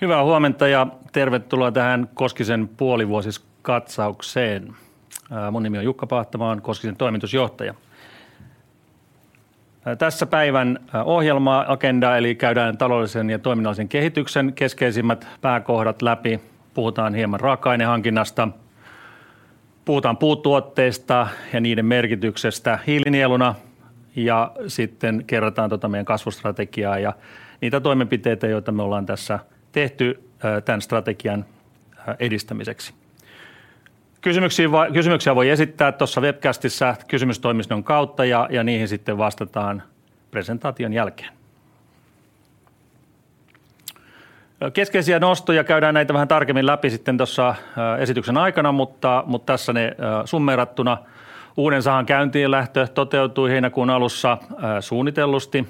Hyvää huomenta ja tervetuloa tähän Koskisen puolivuosikatsaukseen! Mun nimi on Jukka Paahtamaa, oon Koskisen toimitusjohtaja. Tässä päivän ohjelma agenda, eli käydään taloudellisen ja toiminnallisen kehityksen keskeisimmät pääkohdat läpi. Puhutaan hieman raaka-ainehankinnasta, puhutaan puutuotteista ja niiden merkityksestä hiilinieluna ja sitten kerrataan meidän kasvustrategiaa ja niitä toimenpiteitä, joita me ollaan tässä tehty tän strategian edistämiseksi. Kysymyksiä voi esittää tuossa webcastissa kysymystoiminnon kautta ja niihin sitten vastataan presentaation jälkeen. Keskeisiä nostoja, käydään näitä vähän tarkemmin läpi sitten tuossa esityksen aikana, mutta tässä ne summeerattuna. Uuden sahan käyntiinlähtö toteutui heinäkuun alussa suunnitellusti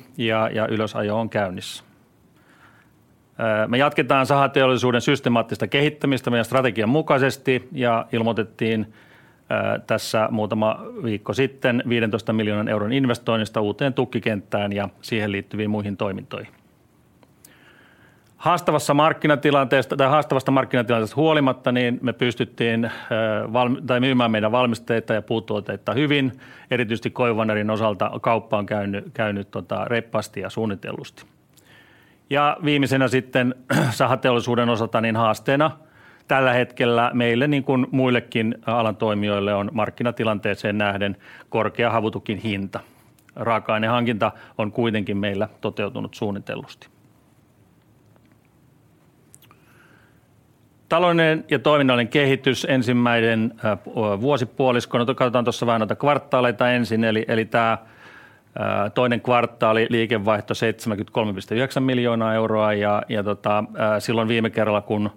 ja ylösajo on käynnissä. Me jatketaan sahateollisuuden systemaattista kehittämistä meidän strategian mukaisesti ja ilmoitettiin tässä muutama viikko sitten €15 miljoonan investoinnista uuteen tukkikenttään ja siihen liittyviin muihin toimintoihin. Haastavasta markkinatilanteesta huolimatta, niin me pystyttiin myymään meidän valmisteita ja puutuotteita hyvin. Erityisesti koivuvenerin osalta kauppa on käynyt reippaasti ja suunnitellusti. Viimeisenä sitten sahateollisuuden osalta haasteena tällä hetkellä meille, niin kuin muillekin alan toimijoille, on markkinatilanteeseen nähden korkea havutukin hinta. Raaka-aineen hankinta on kuitenkin meillä toteutunut suunnitellusti. Taloudellinen ja toiminnallinen kehitys ensimmäinen vuosipuoliskona. Katsotaan tuossa vähän noita kvartaaleja ensin, eli tää toinen kvartaali, liikevaihto 73.9 miljoonaa euroa. Silloin viime kerralla, kun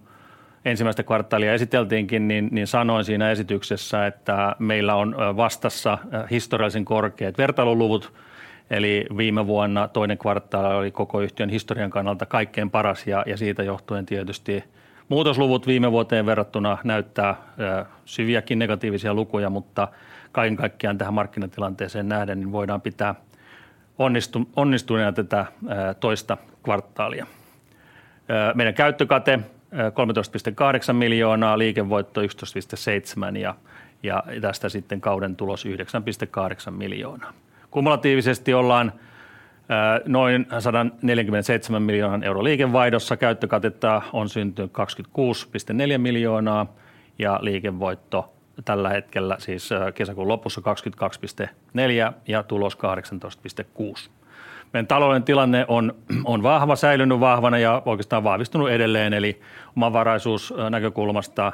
ensimmäistä kvartaalia esiteltiin, niin sanoin siinä esityksessä, että meillä on vastassa historiallisen korkeat vertailuluvut. Eli viime vuonna toinen kvartaali oli koko yhtiön historian kannalta kaikkein paras ja siitä johtuen tietysti muutosluvut viime vuoteen verrattuna näyttää syviäkin negatiivisia lukuja, mutta kaiken kaikkiaan tähän markkinatilanteeseen nähden voidaan pitää onnistuneena tätä toista kvartaalia. Meidän käyttökate 13.8 miljoonaa, liikevoitto 11.7 ja tästä sitten kauden tulos 9.8 miljoonaa. Kumulatiivisesti ollaan noin 147 miljoonan euron liikevaihdossa. Käyttökatetta on syntynyt 22,4 miljoonaa, ja liikevoitto tällä hetkellä, siis kesäkuun lopussa, 22,4 ja tulos 18,6. Meidän taloudellinen tilanne on vahva, säilynyt vahvana ja oikeastaan vahvistunut edelleen, eli omavaraisuus näkökulmasta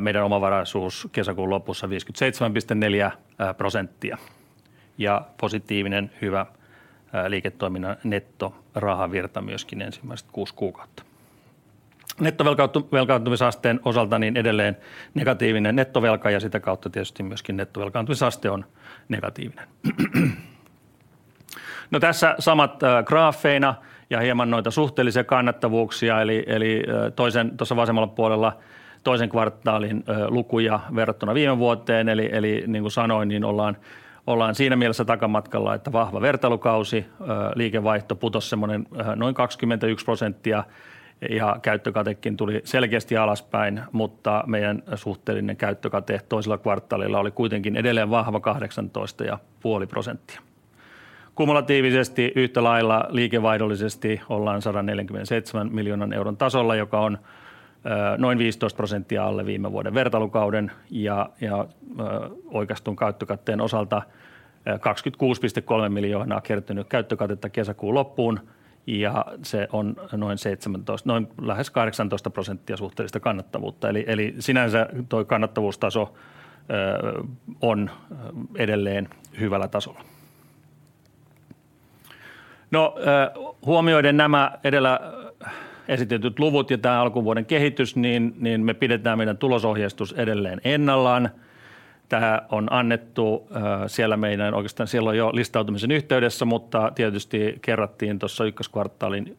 meidän omavaraisuus kesäkuun lopussa 57,4%. Positiivinen, hyvä liiketoiminnan nettorahoavirta myöskin ensimmäiset kuusi kuukautta. Nettovelkaantumisasteen osalta edelleen negatiivinen nettovelka ja sitä kautta tietysti myöskin nettovelkaantumisaste on negatiivinen. Tässä samat graafeina ja hieman noita suhteellisia kannattavuuksia, eli toisen tuossa vasemmalla puolella toisen kvartaalin lukuja verrattuna viime vuoteen. Eli niin kuin sanoin, ollaan siinä mielessä takamatkalla, että vahva vertailukausi. Liikevaihto putosi semmonen noin 21% ja käyttökatekin tuli selkeästi alaspäin, mutta meidän suhteellinen käyttökate toisella kvartaalilla oli kuitenkin edelleen vahva 18,5%. Kumulatiivisesti yhtä lailla liikevaihdollisesti ollaan 147 miljoonan euron tasolla, joka on noin 15% alle viime vuoden vertailukauden. Ja oikaistun käyttökatteen osalta 22,3 miljoonaa kertynyt käyttökatetta kesäkuun loppuun, ja se on noin 17%, noin lähes 18% suhteellista kannattavuutta. Eli sinänsä toi kannattavuustaso on edelleen hyvällä tasolla. Huomioiden nämä edellä esitetyt luvut ja tää alkuvuoden kehitys, niin me pidetään meidän tulosohjeistus edelleen ennallaan. Tähän on annettu siellä meidän oikeastaan silloin jo listautumisen yhteydessä, mutta tietysti kerrattiin tuossa ykköskvartaalin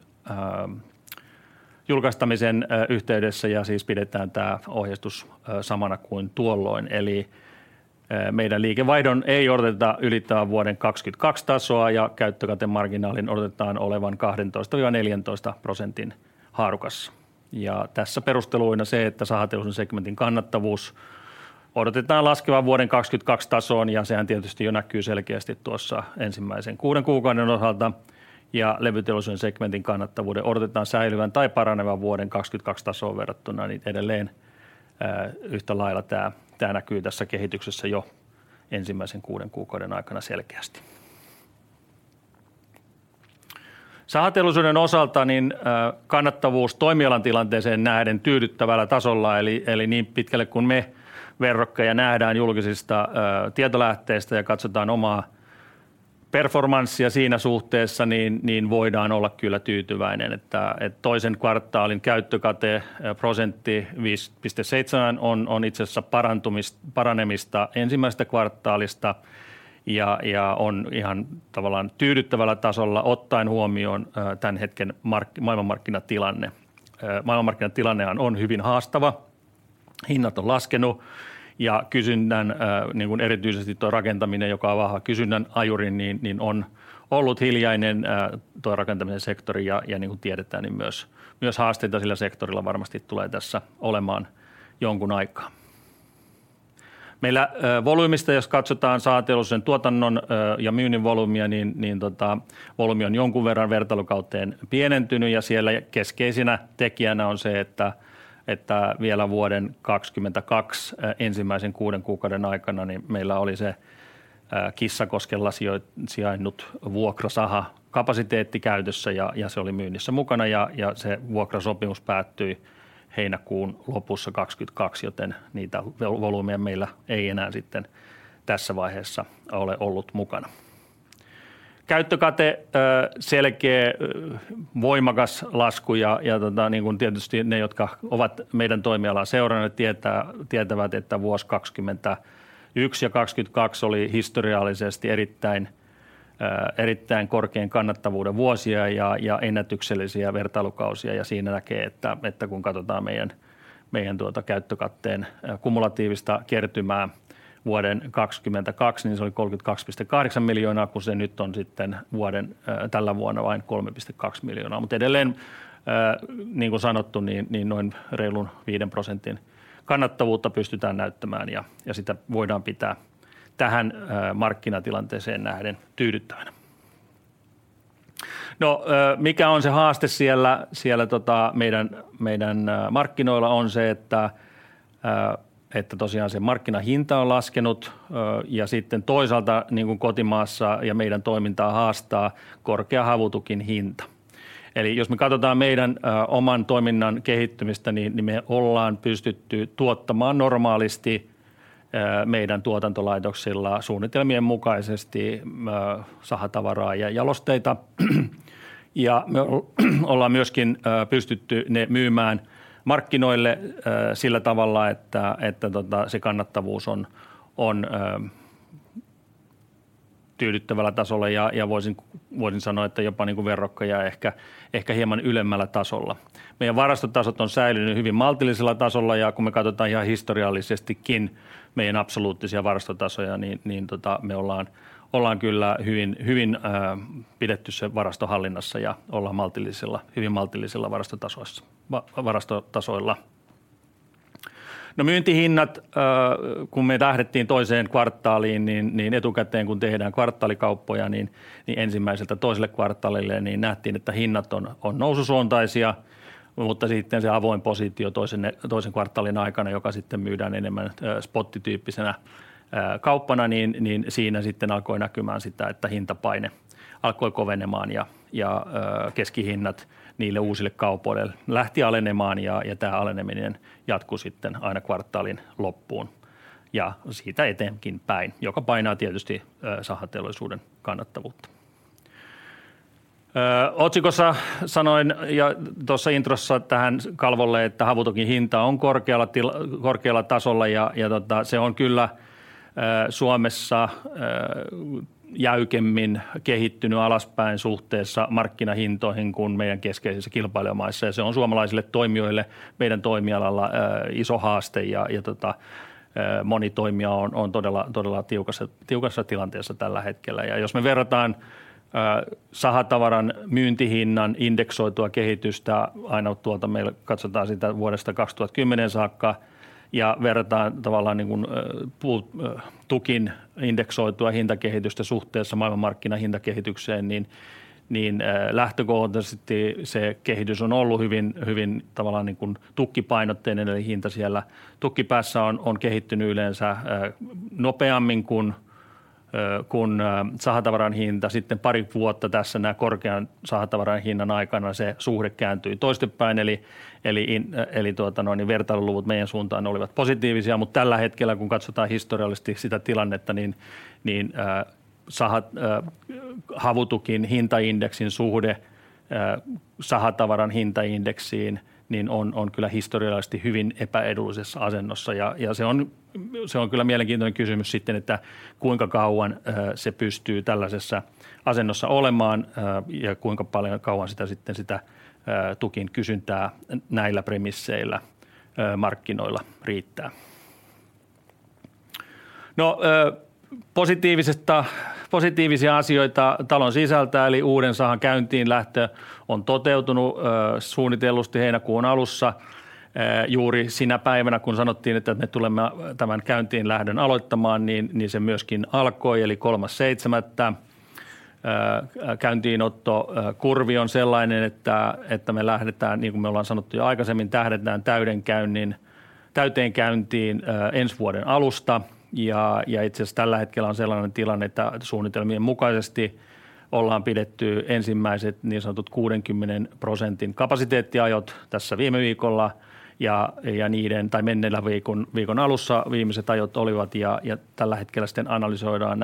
julkastamisen yhteydessä ja siis pidetään tää ohjeistus samana kuin tuolloin. Eli meidän liikevaihdon ei odoteta ylittävän vuoden 2022 tasoa, ja käyttökatemarginaalin odotetaan olevan 12-14% haarukassa. Ja tässä perusteluina se, että sahateollisuuden segmentin kannattavuus odotetaan laskevan vuoden 2022 tasoon, ja sehän tietysti jo näkyy selkeästi tuossa ensimmäisen kuuden kuukauden osalta. Levyteollisuuden segmentin kannattavuuden odotetaan säilyvän tai paranevan vuoden 2022 tasoon verrattuna. Yhtä lailla tämä näkyy tässä kehityksessä jo ensimmäisen kuuden kuukauden aikana selkeästi. Sahateollisuuden osalta kannattavuus toimialan tilanteeseen nähden tyydyttävällä tasolla, eli niin pitkälle kuin me verrokkeja nähdään julkisista tietolähteistä ja katsotaan omaa performanssia siinä suhteessa, niin voidaan olla kyllä tyytyväinen, että toisen kvartaalin käyttökate prosentti 5.7% on itse asiassa paranemista ensimmäisestä kvartaalista. On ihan tavallaan tyydyttävällä tasolla, ottaen huomioon tämän hetken maailmanmarkkinatilanne. Maailmanmarkkinatilannehan on hyvin haastava. Hinnat on laskenu ja kysynnän, erityisesti toi rakentaminen, joka on vahva kysynnän ajuri, niin on ollut hiljainen, toi rakentamisen sektori. Niin kuin tiedetään, niin myös haasteita sillä sektorilla varmasti tulee tässä olemaan jonkun aikaa. Meillä volyymista, jos katsotaan sahateollisuuden tuotannon ja myynnin volyymia, niin volyymi on jonkun verran vertailukauteen pienentynyt ja siellä keskeisenä tekijänä on se, että vielä vuoden 2022 ensimmäisen kuuden kuukauden aikana meillä oli se Kissakoskella sijainnyt vuokrasaha kapasiteetti käytössä ja se oli myynnissä mukana ja se vuokrasopimus päättyi heinäkuun lopussa 2022, joten niitä volyymeja meillä ei enää sitten tässä vaiheessa ole ollut mukana. Käyttökate, selkeä voimakas lasku. Ja tietysti ne, jotka ovat meidän toimialaa seuranneet, tietävät, että vuosi 2021 ja 2022 oli historiallisesti erittäin korkean kannattavuuden vuosia ja ennätyksellisiä vertailukausia. Ja siinä näkee, että kun katsotaan meidän käyttökatteen kumulatiivista kertymää vuoden 2022, niin se oli €32,8 miljoonaa, kun se nyt on sitten vuoden tällä vuonna vain €3,2 miljoonaa. Mutta edelleen, niin kuin sanottu, niin noin reilun 5%:n kannattavuutta pystytään näyttämään ja sitä voidaan pitää tähän markkinatilanteeseen nähden tyydyttävänä. Mikä on se haaste siellä meidän markkinoilla on se, että tosiaan se markkinahinta on laskenut ja sitten toisaalta niin kuin kotimaassa meidän toimintaa haastaa korkea havutukin hinta. Eli jos me katsotaan meidän oman toiminnan kehittymistä, niin me ollaan pystytty tuottamaan normaalisti meidän tuotantolaitoksilla suunnitelmien mukaisesti sahatavaraa ja jalosteita. Me ollaan myöskin pystytty ne myymään markkinoille sillä tavalla, että se kannattavuus on tyydyttävällä tasolla. Voisin sanoa, että jopa niin kuin verrokkeja ehkä hieman ylemmällä tasolla. Meidän varastotasot on säilynyt hyvin maltillisella tasolla, ja kun me katsotaan ihan historiallisestikin meidän absoluuttisia varastotasoja, niin me ollaan kyllä hyvin pidetty se varasto hallinnassa ja ollaan maltillisella, hyvin maltillisella varastotasoilla. Myyntihinnat, kun me lähdettiin toiseen kvartaaliin, niin etukäteen, kun tehdään kvartaalikauppoja, niin ensimmäiseltä toiselle kvartaalille, niin nähtiin, että hinnat on noussuuntaisia. Mutta sitten se avoin positio toisen kvartaalin aikana, joka sitten myydään enemmän spottityyppisenä kauppana, niin siinä sitten alkoi näkymään sitä, että hintapaine alkoi kovenemaan ja keskihinnat niille uusille kaupoille lähti alenemaan ja tää aleneminen jatkui sitten aina kvartaalin loppuun ja siitä eteenpäin, joka painaa tietysti sahateollisuuden kannattavuutta. Otsikossa sanoin ja tuossa introssa tähän kalvolle, että havutukin hinta on korkealla tasolla ja se on kyllä Suomessa jäykemmin kehittynyt alaspäin suhteessa markkinahintoihin kuin meidän keskeisissä kilpailijamaissa. Se on suomalaisille toimijoille meidän toimialalla iso haaste. Moni toimija on todella tiukassa tilanteessa tällä hetkellä. Jos me verrataan sahatavaran myyntihinnan indeksoitua kehitystä aina tuolta, katsotaan siitä vuodesta 2010 saakka ja verrataan tavallaan tukin indeksoitua hintakehitystä suhteessa maailmanmarkkinan hintakehitykseen, niin lähtökohtaisesti se kehitys on ollut hyvin tukkipainotteinen, eli hinta siellä tukkipäässä on kehittynyt yleensä nopeammin kuin sahatavaran hinta. Sitten pari vuotta tässä näin korkean sahatavaran hinnan aikana se suhde kääntyi toisinpäin. Vertailuluvut meidän suuntaan olivat positiivisia, mutta tällä hetkellä, kun katsotaan historiallisesti sitä tilannetta, niin sahan havutukin hintaindeksin suhde sahatavaran hintaindeksiin on historiallisesti hyvin epäedullisessa asennossa. Se on kyllä mielenkiintoinen kysymys sitten, että kuinka kauan se pystyy tällaisessa asennossa olemaan ja kuinka paljon kauan sitä sitten tukin kysyntää näillä premisseillä markkinoilla riittää? Positiivisia asioita talon sisältä, eli uuden sahan käynnistyslähtö on toteutunut suunnitellusti heinäkuun alussa. Juuri sinä päivänä, kun sanottiin, että me tulemme tämän käynnistyslähdön aloittamaan, niin se myöskin alkoi eli kolmas seitsemättä. Käynnistyshoitokurvi on sellainen, että me lähdetään, niin kuin me ollaan sanottu jo aikaisemmin, tähdätään täyteen käyntiin ensi vuoden alusta. Jaa, itse asiassa tällä hetkellä on sellainen tilanne, että suunnitelmien mukaisesti ollaan pidetty ensimmäiset niin sanotut 60% kapasiteettiajot tässä viime viikolla. Niiden tai menneellä viikolla, viikon alussa viimeiset ajot olivat ja tällä hetkellä sitten analysoidaan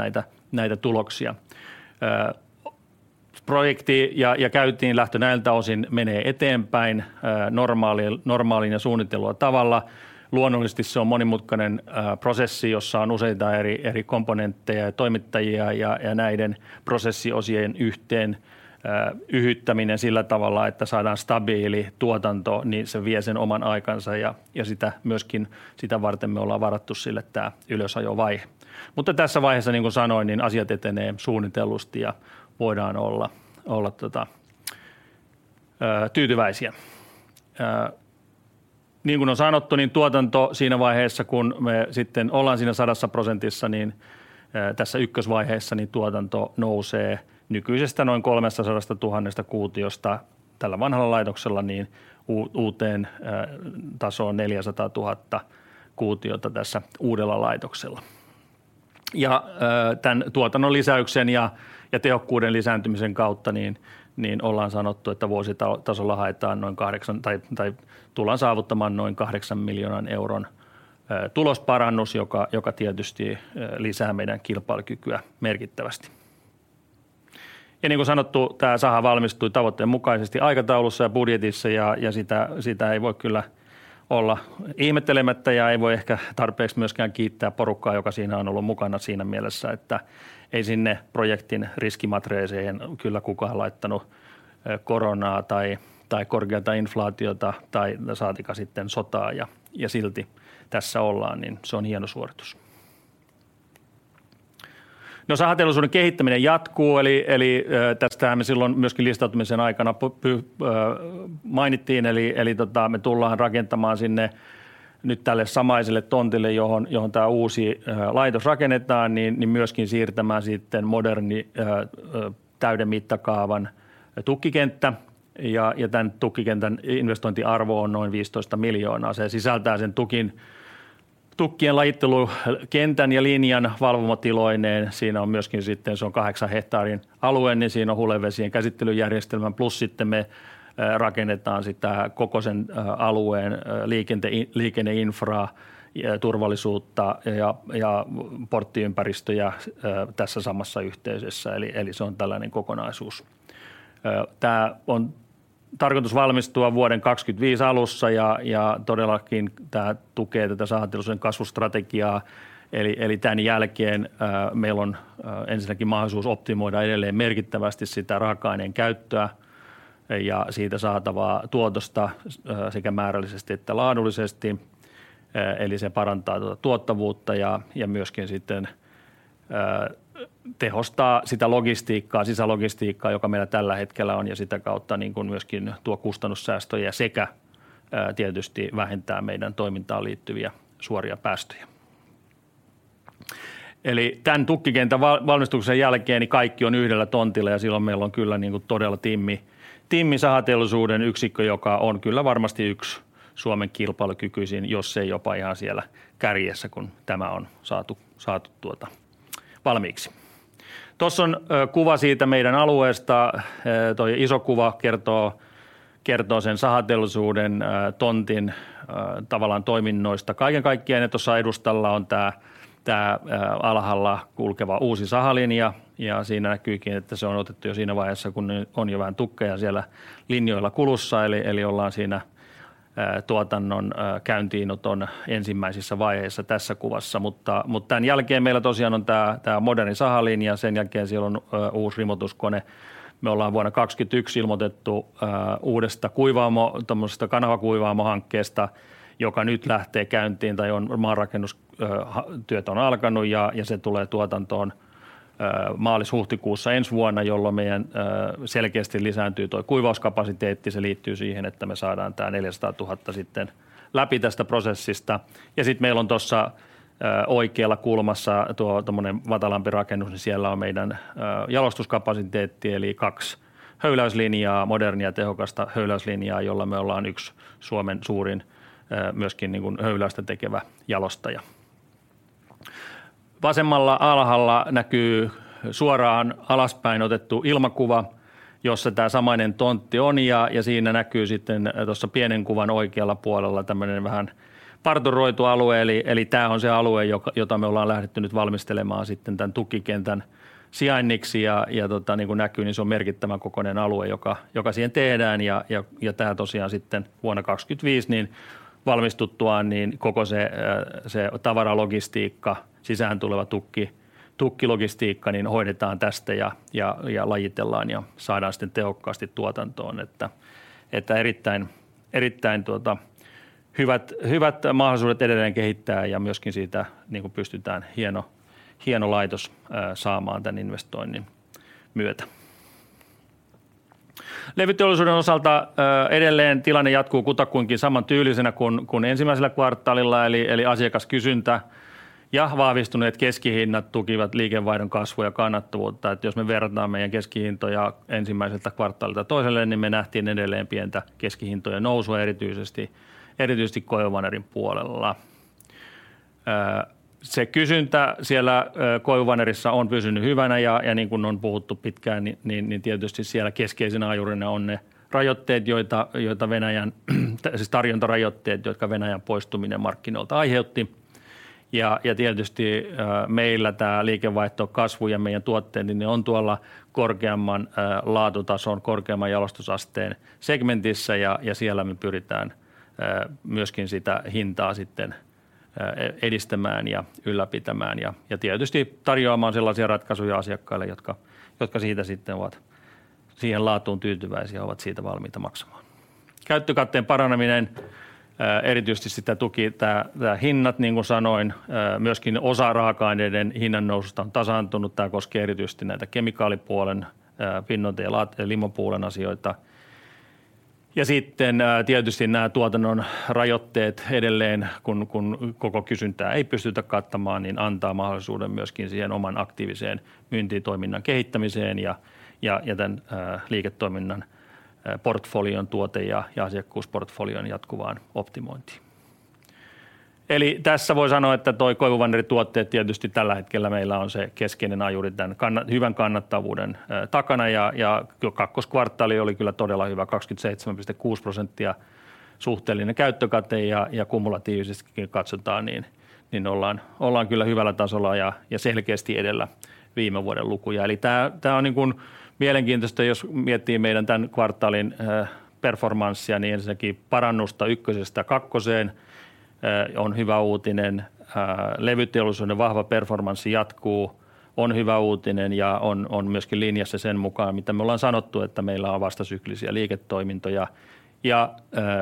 näitä tuloksia. Projekti ja käytiin lähtö näiltä osin menee eteenpäin normaalilla ja suunnitellulla tavalla. Luonnollisesti se on monimutkainen prosessi, jossa on useita eri komponentteja ja toimittajia, ja näiden prosessiosien yhteen yhyttäminen sillä tavalla, että saadaan stabiili tuotanto, niin se vie sen oman aikansa ja sitä myöskin sitä varten me ollaan varattu sille tää ylösajovaihe. Mutta tässä vaiheessa, niin kuin sanoin, niin asiat etenee suunnitellusti ja voidaan olla tyytyväisiä. Niin kuin on sanottu, tuotanto siinä vaiheessa, kun me sitten ollaan siinä sadassa prosentissa, niin tässä ykkösvaiheessa tuotanto nousee nykyisestä noin kolmestasadasta tuhannesta kuutiosta tällä vanhalla laitoksella uuteen tasoon neljäsataatuhatta kuutiota tässä uudella laitoksella. Tän tuotannonlisäyksen ja tehokkuuden lisääntymisen kautta ollaan sanottu, että vuositasolla haetaan noin kahdeksan tai tullaan saavuttamaan noin €8 miljoonan tulosparannus, joka tietysti lisää meidän kilpailukykyä merkittävästi. Niin kuin sanottu, tää saha valmistui tavoitteen mukaisesti aikataulussa ja budjetissa ja sitä ei voi kyllä olla ihmettelemättä. Ei voi ehkä tarpeeksi myöskään kiittää porukkaa, joka siinä on ollut mukana siinä mielessä, että ei sinne projektin riskimatreeseihin kyllä kukaan laittanut koronaa tai korkeata inflaatiota tai saatika sitten sotaa. Silti tässä ollaan, se on hieno suoritus! Sahateollisuuden kehittäminen jatkuu. Tästähän me silloin myöskin listautumisen aikana mainittiin. Tota me tullaan rakentamaan sinne nyt tälle samaiselle tontille, johon tää uusi laitos rakennetaan, niin myöskin siirtämään sitten moderni täyden mittakaavan tukkikenttä. Tän tukkikentän investointiarvo on noin 15 miljoonaa. Se sisältää sen tukkien lajittelukentän ja linjan valvomotiloineen. Siinä on myöskin, se on kahdeksan hehtaarin alue, niin siinä on hulevesien käsittelyjärjestelmä. Plus sitten me rakennetaan sitä koko sen alueen liikenne-infraa ja turvallisuutta ja porttiympäristöjä tässä samassa yhteysessä. Se on tällainen kokonaisuus. Tää on tarkoitus valmistua vuoden 2025 alussa ja todellakin tää tukee tätä sahateollisuuden kasvustrategiaa. Tän jälkeen meillä on ensinnäkin mahdollisuus optimoida edelleen merkittävästi sitä raaka-aineen käyttöä ja siitä saatavaa tuotosta sekä määrällisesti että laadullisesti. Eli se parantaa tuota tuottavuutta ja myöskin sitten tehostaa sitä logistiikkaa, sisälogistiikkaa, joka meillä tällä hetkellä on, ja sitä kautta niinkun myöskin tuo kustannussäästöjä sekä tietysti vähentää meidän toimintaan liittyviä suoria päästöjä. Eli tän tukkikentän valmistuksen jälkeen, niin kaikki on yhdellä tontilla ja silloin meillä on kyllä niinku todella timmi, timmi sahateollisuuden yksikkö, joka on kyllä varmasti yks Suomen kilpailukykyisin, jos ei jopa ihan siellä kärjessä, kun tämä on saatu valmiiksi. Tuossa on kuva siitä meidän alueesta. Toi iso kuva kertoo sen sahateollisuuden tontin tavallaan toiminnoista kaiken kaikkiaan. Tuossa edustalla on tää alhaalla kulkeva uusi sahalinja, ja siinä näkyykin, että se on otettu jo siinä vaiheessa, kun on jo vähän tukkeja siellä linjoilla kulussa. Eli ollaan siinä tuotannon käyntiinoton ensimmäisissä vaiheissa tässä kuvassa. Mutta tän jälkeen meillä tosiaan on tää moderni sahalinja. Sen jälkeen siellä on uusi rimotuskone. Me ollaan vuonna 2020 ilmoitettu uudesta kuivaamotommosesta kanavakuivaamohankkeesta, joka nyt lähtee käyntiin tai on maanrakennustyöt on alkanut ja se tulee tuotantoon maalis-huhtikuussa ensi vuonna, jolloin meidän selkeästi lisääntyy toi kuivauskapasiteetti. Se liittyy siihen, että me saadaan tää 4000 sitten läpi tästä prosessista. Sitten meillä on tuossa oikealla kulmassa tuo tuommoinen matalampi rakennus, niin siellä on meidän jalostuskapasiteetti eli kaksi höyläyslinjaa, modernia tehokasta höyläyslinjaa, jolla me ollaan yksi Suomen suurin, myöskin niinkun höyläystä tekevä jalostaja. Vasemmalla alhaalla näkyy suoraan alaspäin otettu ilmakuva, jossa tämä samainen tontti on, ja siinä näkyy sitten tuossa pienen kuvan oikealla puolella tämmöinen vähän parturoitu alue. Tämä on se alue, jota me ollaan lähdetty nyt valmistelemaan sitten tän tukkikentän sijainniksi. Niin kuin näkyy, niin se on merkittävän kokoinen alue, joka siihen tehdään. Ja, tää tosiaan sitten vuonna 2025 valmistuttuaan, niin koko se tavaralogistiikka, sisään tuleva tukki, tukkilogistiikka, hoidetaan tästä ja lajitellaan ja saadaan sitten tehokkaasti tuotantoon. Erittäin hyvät mahdollisuudet edelleen kehittää ja myöskin siitä pystytään hieno laitos saamaan tän investoinnin myötä. Levyteollisuuden osalta edelleen tilanne jatkuu kutakuinkin samantyylisenä kuin ensimmäisellä kvartaalilla, eli asiakaskysyntä ja vahvistuneet keskihinnat tukivat liikevaihdon kasvua ja kannattavuutta. Jos me verrataan meidän keskihintoja ensimmäiseltä kvartaalilta toiselle, niin me nähtiin edelleen pientä keskihintojen nousua, erityisesti KOjuvanerin puolella. Se kysyntä siellä KOjuvanerissa on pysynyt hyvänä, ja niin kuin on puhuttu pitkään, niin tietysti siellä keskeisenä ajurina on ne rajoitteet, joita Venäjän tarjontarajoitteet, jotka Venäjän poistuminen markkinoilta aiheutti. Jaa, tietysti meillä tää liikevaihto, kasvu ja meidän tuotteet, niin ne on tuolla korkeamman laatutason, korkeamman jalostusasteen segmentissä, ja siellä me pyritään myöskin sitä hintaa sitten edistämään ja ylläpitämään ja tietysti tarjoamaan sellaisia ratkaisuja asiakkaille, jotka siitä sitten ovat siihen laatuun tyytyväisiä ja ovat siitä valmiita maksamaan. Käyttökatteen paraneminen erityisesti sitä tuki tää hinnat, niin kuin sanoin, myöskin osa raaka-aineiden hinnannoususta on tasaantunut. Tää koskee erityisesti näitä kemikaalipuolen, pinnoite- ja laatti- ja limapuolen asioita. Sitten tietysti nää tuotannon rajoitteet edelleen, kun koko kysyntää ei pystytä kattamaan, niin antaa mahdollisuuden myöskin siihen oman aktiiviseen myyntitoiminnan kehittämiseen ja tän liiketoiminnan portfolion, tuote- ja asiakkuusportfolion jatkuvaan optimointiin. Eli tässä voi sanoa, että toi koivuvaneerituotteet tietysti tällä hetkellä meillä on se keskeinen ajuri tän hyvän kannattavuuden takana, ja kakkoskvartaali oli kyllä todella hyvä. Kaksikymmentäseitsemän piste kuusi prosenttia suhteellinen käyttökate ja kumulatiivisestikin katsotaan, niin ollaan kyllä hyvällä tasolla ja selkeästi edellä viime vuoden lukuja. Eli tää on niinkun mielenkiintoista, jos miettii meidän tän kvartaalin performanssia, niin ensinnäkin parannusta ykkösestä kakkoseen on hyvä uutinen. Levyteollisuuden vahva performanssi jatkuu, on hyvä uutinen ja on myöskin linjassa sen mukaan, mitä me ollaan sanottu, että meillä on vastasyklisiä liiketoimintoja. Ja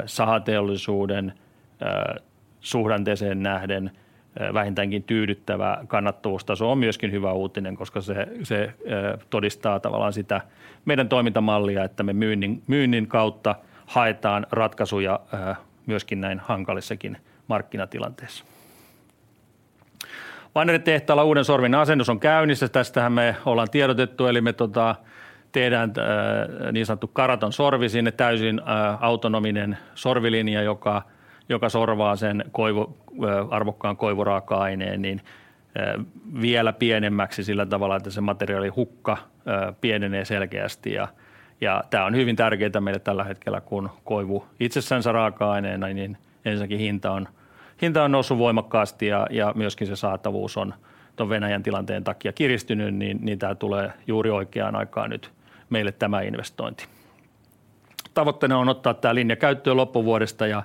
sahateollisuuden suhdanteeseen nähden vähintäänkin tyydyttävä kannattavuustaso on myöskin hyvä uutinen, koska se todistaa tavallaan sitä meidän toimintamallia, että me myynnin kautta haetaan ratkaisuja myöskin näin hankalissakin markkinatilanteissa. Vaneritehtaalla uuden sorvin asennus on käynnissä. Tästähän me ollaan tiedotettu, eli me tehdään niin sanottu karaton sorvi sinne, täysin autonominen sorvilinja, joka sorvaa sen koivun arvokkaan koivuraaka-aineen vielä pienemmäksi sillä tavalla, että se materiaalihukka pienenee selkeästi. Jaa, tää on hyvin tärkeää meille tällä hetkellä, kun koivu itsessään raaka-aineena, niin ensinnäkin hinta on noussut voimakkaasti ja myöskin se saatavuus on ton Venäjän tilanteen takia kiristynyt, niin tää tulee juuri oikeaan aikaan nyt meille tämä investointi. Tavoitteena on ottaa tää linja käyttöön loppuvuodesta ja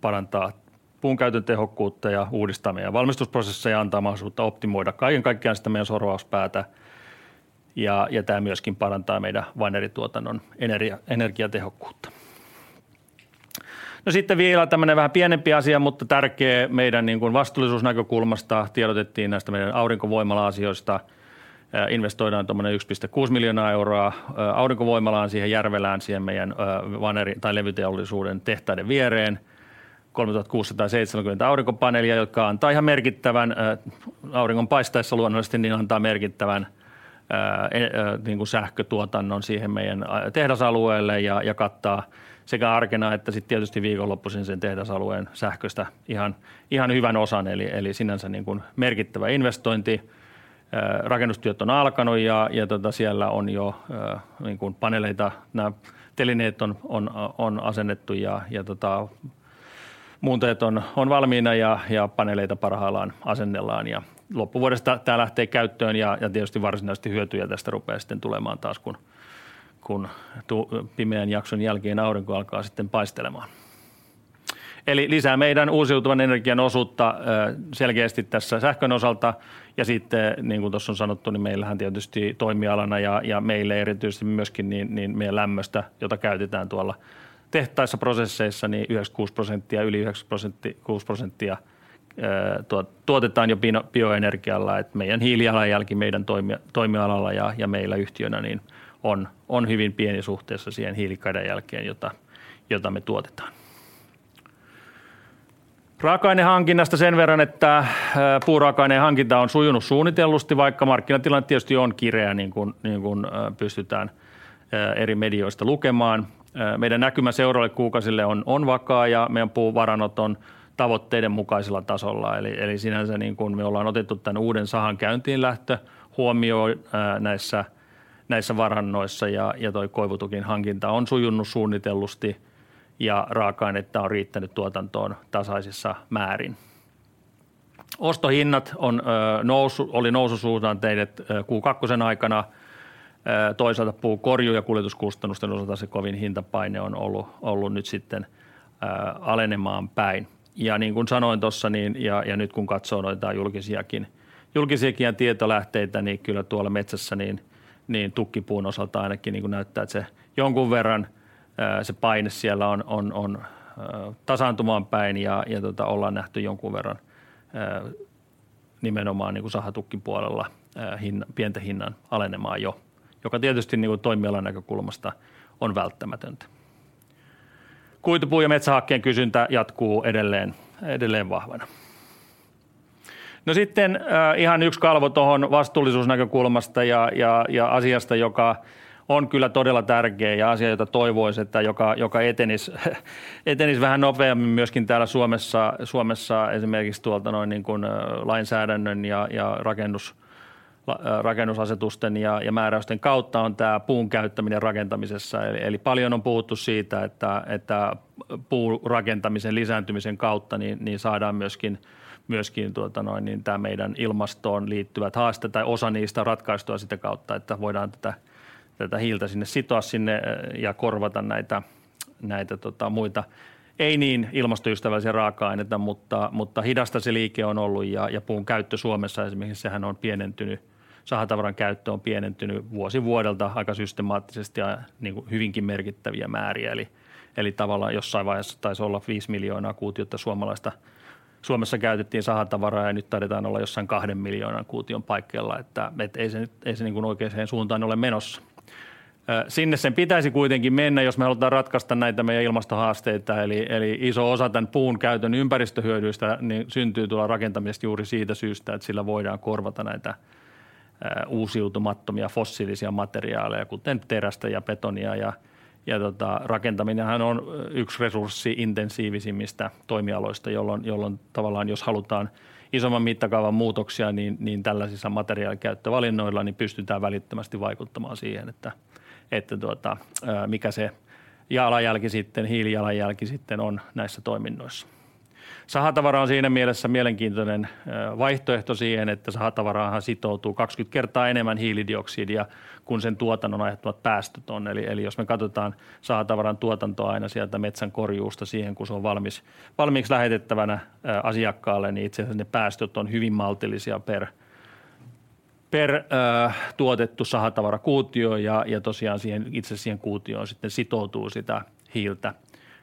parantaa puunkäytön tehokkuutta ja uudistaa meidän valmistusprosesseja, antaa mahdollisuutta optimoida kaiken kaikkiaan sitä meidän sorvauspäätä. Tää myöskin parantaa meidän vanerituotannon energiatehokkuutta. Sitten vielä tämmönen vähän pienempi asia, mutta tärkeä meidän niinkun vastuullisuusnäkökulmasta. Tiedotettiin näistä meidän aurinkovoimala-asioista. Investoidaan tommonen €1.6 miljoonaa aurinkovoimalaan, siihen Järvelään, siihen meidän vaneri- tai levyteollisuuden tehtaiden viereen. Kolmetuhatta kuussataaseitsemänkymmentä aurinkopaneelia, jotka antaa ihan merkittävän, auringon paistaessa luonnollisesti, niin antaa merkittävän sähkötuotannon siihen meidän tehtaanalueelle ja kattaa sekä arkena että tietysti viikonloppuisin sen tehtaanalueen sähköistä ihan hyvän osan. Eli sinänsä merkittävä investointi. Rakennustyöt on alkanut ja siellä on jo paneeleita, nää telineet on asennettu ja muuntajat on valmiina ja paneeleita parhaillaan asennellaan, ja loppuvuodesta tää lähtee käyttöön. Tietysti varsinaisesti hyötyjä tästä rupeaa sitten tulemaan taas, kun pimeän jakson jälkeen aurinko alkaa sitten paistelemaan. Eli lisää meidän uusiutuvan energian osuutta selkeästi tässä sähkön osalta. Ja sitten, niin kuin tuossa on sanottu, meillähän tietysti toimialana ja meille erityisesti myöskin meidän lämmöstä, jota käytetään tuolla tehtaissa prosesseissa, 96%, yli 96% tuotetaan jo bioenergialla, että meidän hiilijalanjälki meidän toimialalla ja meillä yhtiönä on hyvin pieni suhteessa siihen hiilikädenjälkeen, jota me tuotetaan. Raaka-ainehankinnasta sen verran, että puuraaka-aineen hankinta on sujunut suunnitellusti, vaikka markkinatilanne tietysti on kireä, niin kuin pystytään eri medioista lukemaan. Meidän näkymä seuraaville kuukausille on vakaa, ja meidän puuvarannot on tavoitteiden mukaisella tasolla. Eli sinänsä niin kuin me ollaan otettu tän uuden sahan käyntiinlähtö huomioon näissä varannoissa ja toi koivutukin hankinta on sujunut suunnitellusti, ja raaka-ainetta on riittänyt tuotantoon tasaisissa määrin. Ostohinnat on noussu, oli noususuhdanteella Q2 aikana. Toisaalta puukorjuu- ja kuljetuskustannusten osalta se kovin hintapaine on ollut alenemaan päin. Ja niin kuin sanoin tuossa, niin ja nyt kun katsoo noita julkisiakin tietolähteitä, niin kyllä tuolla metsässä tukkipuun osalta ainakin näyttää, että se jonkun verran se paine siellä on tasaantumaan päin. Ja ollaan nähty jonkun verran nimenomaan sahatukkipuolella pientä hinnan alenemaa jo, joka tietysti toimialanäkökulmasta on välttämätöntä. Kuitupuu ja metsähakkeen kysyntä jatkuu edelleen vahvana. Sitten ihan yks kalvo tohon vastuullisuusnäkökulmasta ja asiasta, joka on kyllä todella tärkeä ja asia, jota toivois, että joka etenisi vähän nopeammin myöskin täällä Suomessa, esimerkiksi tuolta niin kun lainsäädännön ja rakennusasetusten ja määräysten kautta on tää puun käyttäminen rakentamisessa. Paljon on puhuttu siitä, että puurakentamisen lisääntymisen kautta saadaan myöskin tämän meidän ilmastoon liittyvät haasteet tai osa niistä ratkaistua sitä kautta, että voidaan tätä hiiltä sinne sitoa ja korvata näitä muita ei niin ilmastoystävällisiä raaka-aineita. Mutta hidasta se liike on ollut ja puun käyttö Suomessa esimerkiksi on pienentynyt. Sahatavaran käyttö on pienentynyt vuosi vuodelta aika systemaattisesti ja hyvinkin merkittäviä määriä. Tavallaan jossain vaiheessa taisi olla 5 miljoonaa kuutiota suomalaista. Suomessa käytettiin sahatavaraa ja nyt taidetaan olla jossain 2 miljoonan kuution paikkeilla. Ei se oikeaan suuntaan ole menossa. Sinne sen pitäisi kuitenkin mennä, jos me halutaan ratkaista näitä meidän ilmastohaasteita. Iso osa tän puunkäytön ympäristöhyödyistä syntyy tuolla rakentamisesta juuri siitä syystä, että sillä voidaan korvata näitä uusiutumattomia fossiilisia materiaaleja, kuten terästä ja betonia. Tota rakentaminen on yksi resurssi-intensiivisimmistä toimialoista, jolloin tavallaan jos halutaan isomman mittakaavan muutoksia, niin tällaisilla materiaalin käyttövalinnoilla pystytään välittömästi vaikuttamaan siihen, että mikä se jalanjälki, hiilijalanjälki sitten on näissä toiminnoissa. Sahatavara on siinä mielessä mielenkiintoinen vaihtoehto siihen, että sahatavaraanhan sitoutuu 20 kertaa enemmän hiilidioksidia kuin sen tuotannon aiheuttamat päästöt on. Jos me katsotaan sahatavaran tuotantoa aina sieltä metsän korjuusta siihen, kun se on valmis lähetettävänä asiakkaalle, niin itse asiassa ne päästöt on hyvin maltillisia per tuotettu sahatavarakuutio ja tosiaan siihen itse siihen kuutioon sitten sitoutuu sitä hiiltä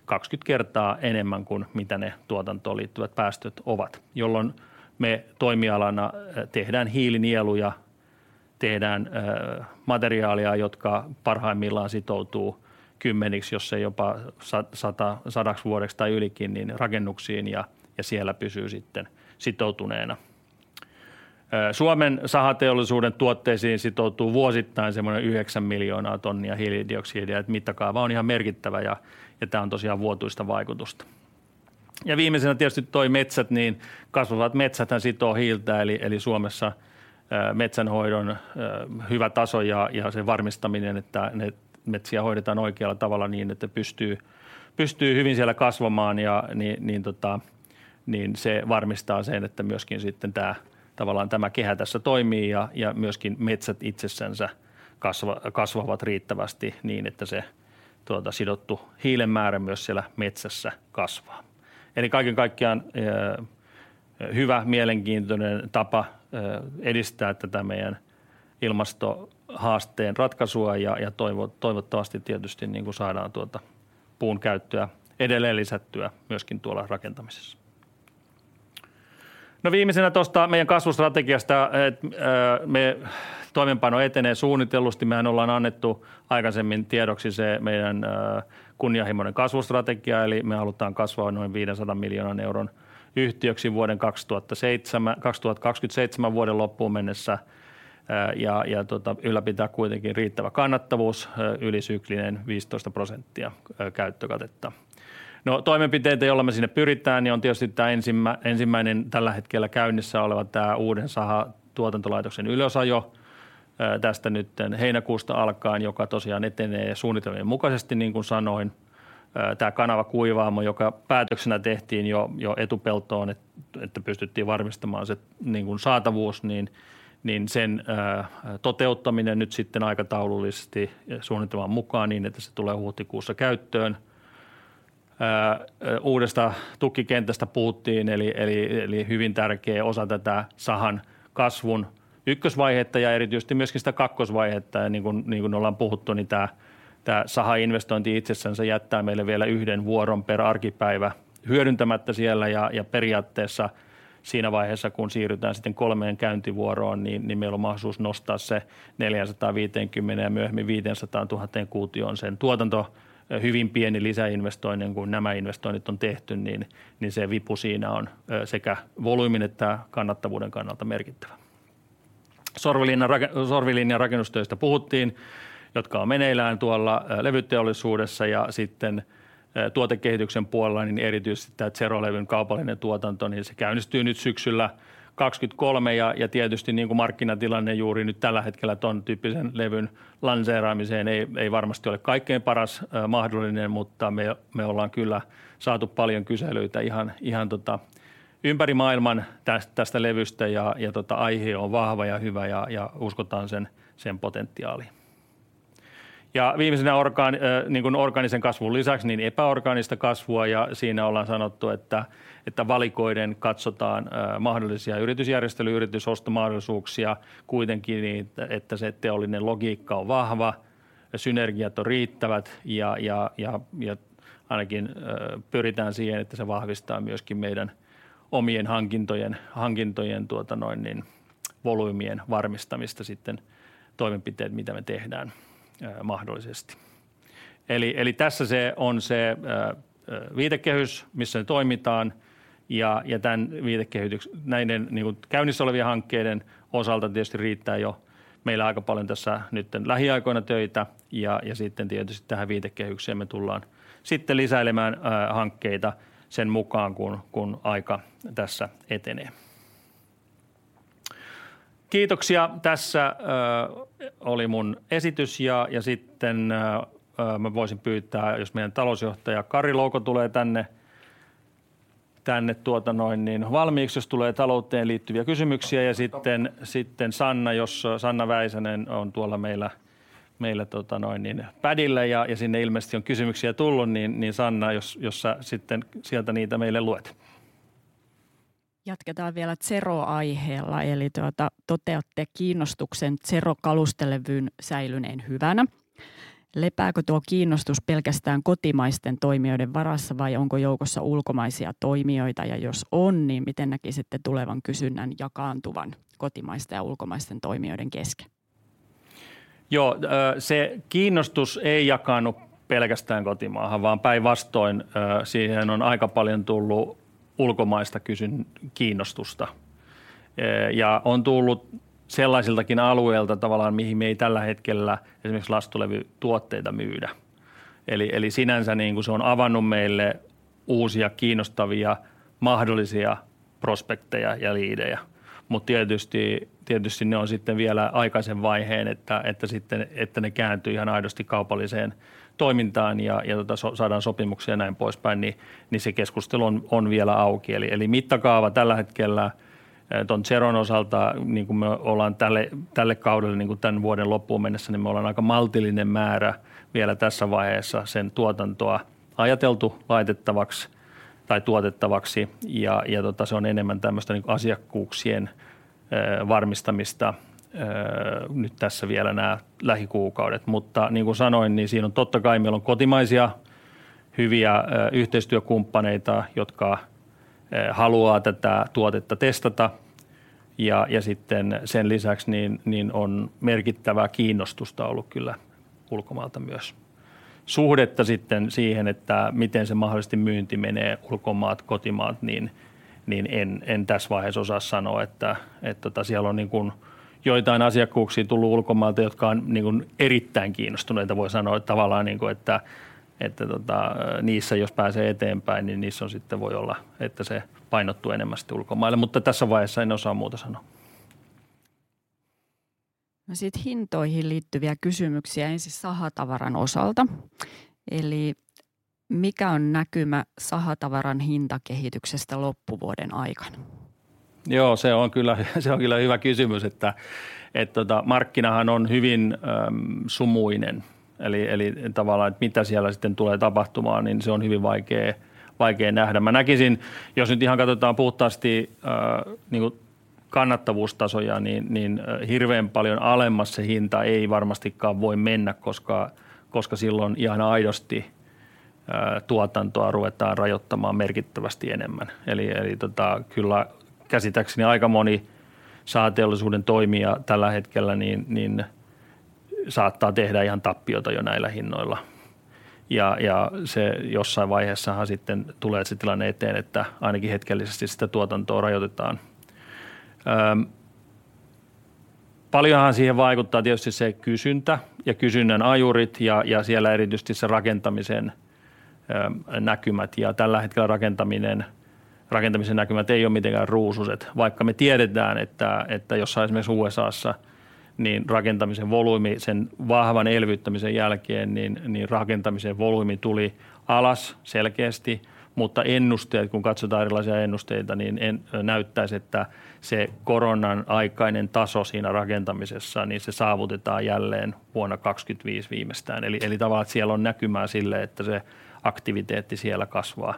20 kertaa enemmän kuin mitä ne tuotantoon liittyvät päästöt ovat, jolloin me toimialana tehdään hiilinieluja, tehdään materiaalia, jotka parhaimmillaan sitoutuu kymmeniksi, jos ei jopa sadaksi vuodeksi tai ylikin, niin rakennuksiin ja siellä pysyy sitten sitoutuneena. Suomen sahateollisuuden tuotteisiin sitoutuu vuosittain semmoinen 9 miljoonaa tonnia hiilidioksidia. Että mittakaava on ihan merkittävä ja tämä on tosiaan vuotuista vaikutusta. Viimeisenä tietysti toi metsät, niin kasvavat metsät sitoo hiiltä. Eli Suomessa metsänhoidon hyvä taso ja sen varmistaminen, että ne metsiä hoidetaan oikealla tavalla niin, että ne pystyy hyvin siellä kasvamaan, niin se varmistaa sen, että myöskin sitten tää tavallaan tämä kehä tässä toimii ja myöskin metsät itsessään kasvavat riittävästi niin, että se sidottu hiilen määrä myös siellä metsässä kasvaa. Eli kaiken kaikkiaan hyvä, mielenkiintoinen tapa edistää tätä meidän ilmastohaasteen ratkaisua. Toivottavasti tietysti saadaan puun käyttöä edelleen lisättyä myöskin tuolla rakentamisessa. Viimeisenä tuosta meidän kasvustrategiasta, että me toimeenpano etenee suunnitellusti. Mehän ollaan annettu aikaisemmin tiedoksi se meidän kunnianhimoinen kasvustrategia, eli me halutaan kasvaa noin €500 miljoonan yhtiöksi vuoden 2027 loppuun mennessä ja ylläpitää kuitenkin riittävä kannattavuus, ylisyklinen 15% käyttökatetta. Toimenpiteitä, joilla me sinne pyritään, on tietysti tää ensimmäinen tällä hetkellä käynnissä oleva tämä uuden sahatuotantolaitoksen ylösajo tästä nyt heinäkuusta alkaen, joka tosiaan etenee suunnitelmien mukaisesti niin kuin sanoin. Tää kanavakuivaamo, joka päätöksenä tehtiin jo Etupeltoon, että pystyttiin varmistamaan se saatavuus, sen toteuttaminen nyt sitten aikataulullisesti ja suunnitelman mukaan niin, että se tulee huhtikuussa käyttöön. Uudesta tukkikentästä puhuttiin. Hyvin tärkeä osa tätä sahan kasvun ykkösvaihetta ja erityisesti myöskin sitä kakkosvaihetta. Niin kuin ollaan puhuttu, tää sahainvestointi itsessään jättää meille vielä yhden vuoron per arkipäivä hyödyntämättä siellä. Periaatteessa siinä vaiheessa, kun siirrytään sitten kolmeen käyntivuoroon, meillä on mahdollisuus nostaa se neljäänsataanviiteenkymmeneen ja myöhemmin viiteensataantuhanteen kuutioon sen tuotanto. Hyvin pieni lisäinvestointi, kun nämä investoinnit on tehty, se vipu siinä on sekä volyymin että kannattavuuden kannalta merkittävä. Sorvilinjan rakennustöistä puhuttiin, jotka on meneillään tuolla levyteollisuudessa ja sitten tuotekehityksen puolella. Erityisesti tää Zero-levyn kaupallinen tuotanto käynnistyy nyt syksyllä 2023. Tietysti markkinatilanne juuri nyt tällä hetkellä ton tyyppisen levyn lanseeraamiseen ei varmasti ole kaikkein paras mahdollinen, mutta me ollaan saatu paljon kyselyitä ihan ympäri maailman tästä levystä ja aihio on vahva ja hyvä ja uskotaan sen potentiaaliin. Viimeisenä orgaanisen kasvun lisäksi epäorgaanista kasvua. Siinä ollaan sanottu, että valikoiden katsotaan mahdollisia yritysjärjestely- ja yritysostomahdollisuuksia. Kuitenkin niin, että se teollinen logiikka on vahva ja synergiat on riittävät. Ainakin pyritään siihen, että se vahvistaa myöskin meidän omien hankintojen volyymien varmistamista sitten toimenpiteet, mitä me tehdään mahdollisesti. Tässä se on se viitekehys, missä me toimitaan. Tän viitekehyksen, näiden käynnissä olevien hankkeiden osalta tietysti riittää meillä aika paljon tässä nyt lähiaikoina töitä. Sitten tietysti tähän viitekehykseen me tullaan lisäilemään hankkeita sen mukaan, kun aika tässä etenee. Kiitoksia! Tässä oli mun esitys ja sitten mä voisin pyytää, jos meidän talousjohtaja Kari Louko tulee tänne valmiiksi, jos tulee talouteen liittyviä kysymyksiä. Sitten Sanna, jos Sanna Väisänen on tuolla meillä padillä ja sinne ilmeisesti on kysymyksiä tullut, niin Sanna, jos sä sitten sieltä niitä meille luet. Jatketaan vielä Zero aiheella. Toteatte kiinnostuksen Zero kalustelevyn säilyneen hyvänä. Lepääkö tuo kiinnostus pelkästään kotimaisten toimijoiden varassa vai onko joukossa ulkomaisia toimijoita? Jos on, niin miten näkisitte tulevan kysynnän jakaantuvan kotimaisten ja ulkomaisten toimijoiden kesken? Se kiinnostus ei jakannut pelkästään kotimaahan, vaan päinvastoin. Siihen on aika paljon tullut ulkomaista kiinnostusta. On tullut sellaisiltakin alueilta tavallaan, mihin me ei tällä hetkellä esimerkiksi lastulevytuotteita myydä. Sinänsä se on avannut meille uusia kiinnostavia mahdollisia prospekteja ja liidejä. Mutta tietysti ne on sitten vielä aikaisen vaiheen, että ne kääntyy ihan aidosti kaupalliseen toimintaan ja saadaan sopimuksia ja näin poispäin, niin se keskustelu on vielä auki. Mittakaava tällä hetkellä ton Zeron osalta, kun me ollaan tälle kaudelle, kun tän vuoden loppuun mennessä, niin me ollaan aika maltillinen määrä vielä tässä vaiheessa sen tuotantoa ajateltu laitettavaksi tai tuotettavaksi. Se on enemmän tämmöistä asiakkuuksien varmistamista. Nyt tässä vielä nää lähikuukaudet, mutta niin kuin sanoin, siinä on totta kai meillä kotimaisia hyviä yhteistyökumppaneita, jotka haluaa tätä tuotetta testata. Sitten sen lisäksi on merkittävää kiinnostusta ollut kyllä ulkomailta myös suhteessa sitten siihen, että miten se mahdollisesti myynti menee. Ulkomaat, kotimaat, en tässä vaiheessa osaa sanoa, että siellä on joitain asiakkuuksia tullut ulkomailta, jotka on erittäin kiinnostuneita. Voi sanoa, että tavallaan niissä jos pääsee eteenpäin, niin niissä on sitten voi olla, että se painottuu enemmän sitten ulkomaille. Mutta tässä vaiheessa en osaa muuta sanoa. No sitten hintoihin liittyviä kysymyksiä. Ensin sahatavaran osalta. Eli mikä on näkymä sahatavaran hintakehityksestä loppuvuoden aikana? Joo, se on kyllä hyvä kysymys, että markkinahan on hyvin sumuinen. Tavallaan, että mitä siellä sitten tulee tapahtumaan, niin se on hyvin vaikea nähdä. Mä näkisin, jos nyt ihan katsotaan puhtaasti kannattavuustasoja, niin hirveän paljon alemmas se hinta ei varmastikaan voi mennä, koska silloin ihan aidosti tuotantoa ruvetaan rajoittamaan merkittävästi enemmän. Kyllä käsittääkseni aika moni sahateollisuuden toimija tällä hetkellä saattaa tehdä ihan tappiota jo näillä hinnoilla. Se jossain vaiheessahan sitten tulee se tilanne eteen, että ainakin hetkellisesti sitä tuotantoa rajoitetaan. Paljonhan siihen vaikuttaa tietysti se kysyntä ja kysynnän ajurit ja siellä erityisesti se rakentamisen näkymät. Tällä hetkellä rakentamisen näkymät ei oo mitenkään ruusuiset, vaikka me tiedetään, että jossain esimerkiksi USAssa rakentamisen volyymi sen vahvan elvyttämisen jälkeen, niin rakentamisen volyymi tuli alas selkeästi. Mutta ennusteet, kun katsotaan erilaisia ennusteita, niin ne näyttäisi, että se koronan aikainen taso siinä rakentamisessa, niin se saavutetaan jälleen vuonna 2025 viimeistään. Eli tavallaan siellä on näkymää sille, että se aktiviteetti siellä kasvaa.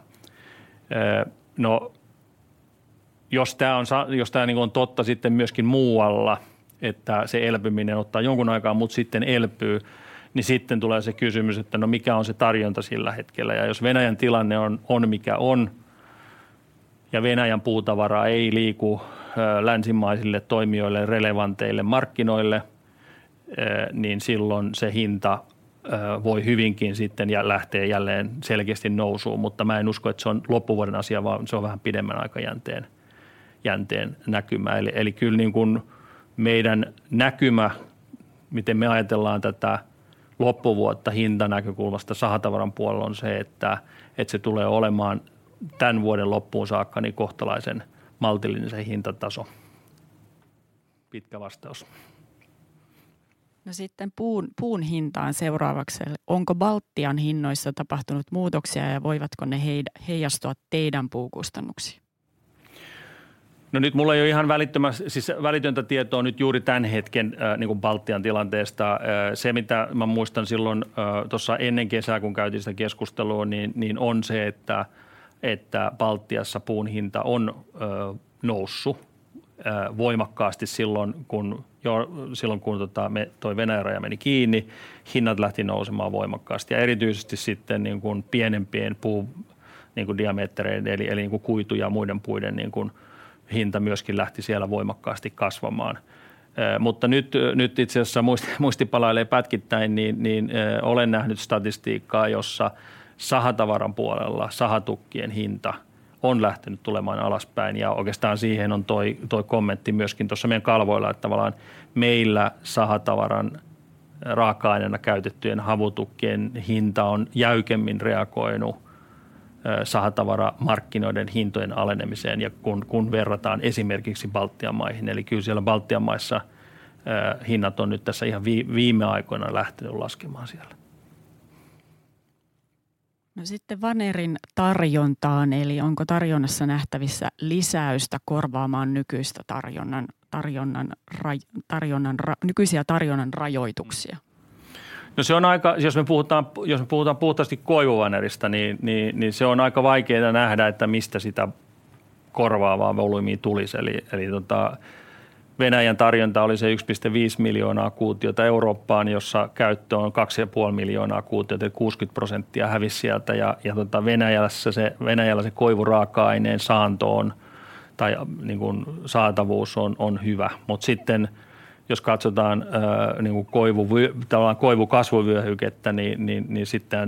No, jos tää on, jos tää on totta sitten myöskin muualla, että se elpyminen ottaa jonkun aikaa, mutta sitten elpyy, niin sitten tulee se kysymys, että no mikä on se tarjonta sillä hetkellä? Ja jos Venäjän tilanne on mikä on ja Venäjän puutavara ei liiku länsimaisille toimijoille relevanteille markkinoille, niin silloin se hinta voi hyvinkin sitten lähteä jälleen selkeästi nousuun. Mutta mä en usko, että se on loppuvuoden asia, vaan se on vähän pidemmän aikajänteen näkymä. Eli kyllä meidän näkymä, miten me ajatellaan tätä loppuvuotta hintanäkökulmasta sahatavaran puolella on se, että se tulee olemaan tän vuoden loppuun saakka kohtalaisen maltillinen se hintataso. Pitkä vastaus. Nyt sitten puun hintaan seuraavaksi. Onko Baltian hinnoissa tapahtunut muutoksia ja voivatko ne heijastua teidän puukustannuksiin? Nyt mulla ei ole ihan välitöntä tietoa nyt juuri tän hetken Baltian tilanteesta. Se, mitä mä muistan silloin tuossa ennen kesää, kun käytiin sitä keskustelua, niin on se, että Baltiassa puun hinta on noussut voimakkaasti silloin, kun Venäjän raja meni kiinni, hinnat lähti nousemaan voimakkaasti ja erityisesti sitten pienempien puun diametreiden eli kuidun ja muiden puiden hinta myöskin lähti siellä voimakkaasti kasvamaan. Mutta nyt itse asiassa muisti palailee pätkittäin, niin olen nähnyt statistiikkaa, jossa sahatavaran puolella sahatukkien hinta on lähtenyt tulemaan alaspäin ja oikeastaan siihen on toi kommentti myöskin tuossa meidän kalvoilla, että tavallaan meillä sahatavaran raaka-aineena käytettyjen havutukkien hinta on jäykemmin reagoinut sahatavaramarkkinoiden hintojen alenemiseen. Kun verrataan esimerkiksi Baltian maihin, kyllä siellä Baltian maissa hinnat on nyt tässä ihan viime aikoina lähtenyt laskemaan siellä. No sitten vanerin tarjontaan. Eli onko tarjonnassa nähtävissä lisäystä korvaamaan nykyistä tarjonnan rajoituksia? Se on aika, jos me puhutaan puhtaasti koivuvanerista, niin se on aika vaikeata nähdä, että mistä sitä korvaavaa volyymia tulisi. Venäjän tarjonta oli se 1.5 miljoonaa kuutiota Eurooppaan, jossa käyttöä on 2.5 miljoonaa kuutiota. 60% hävisi sieltä ja Venäjässä se koivuraaka-aineen saanto on tai saatavuus on hyvä. Mutta sitten jos katsotaan koivukasvuvyöhykettä, tavallaan, niin